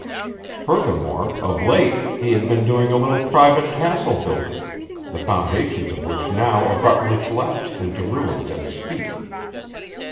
Furthermore, of late he had been doing a little private castle building, the foundations of which now abruptly collapsed into ruins at his feet.